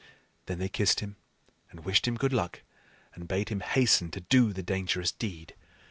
Then they kissed him and wished him good luck, and bade him hasten to do the dangerous deed.